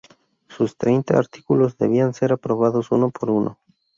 Sus treinta artículos debían ser aprobados uno por uno.